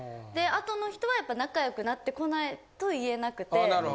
あとの人は仲よくなってこないと言えなくて。